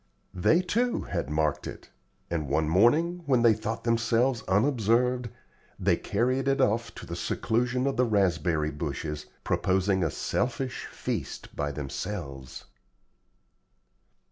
They, too, had marked it; and one morning, when they thought themselves unobserved, they carried it off to the seclusion of the raspberry bushes, proposing a selfish feast by themselves.